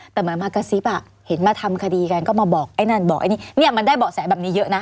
แต่เหมือนมากระซิบอ่ะเห็นมาทำคดีกันก็มาบอกไอ้นั่นบอกไอ้นี่เนี่ยมันได้เบาะแสแบบนี้เยอะนะ